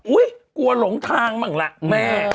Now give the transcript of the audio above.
อุ้ยกลัวหลงทางบั้งล่ะ